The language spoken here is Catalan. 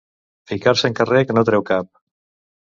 Ficar-se en carrer que no treu cap.